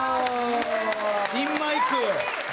ピンマイク！